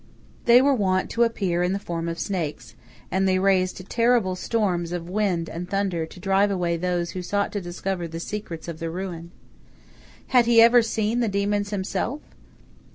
They were wont to appear in the form of snakes, and they raised terrible storms of wind and thunder to drive away those who sought to discover the secrets of the ruin. Had he ever seen the demons himself?